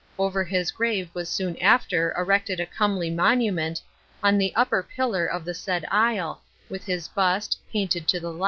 Over his grave was soon after erected a comely monument, on the upper pillar of the said aisle, with his bust, painted to the life.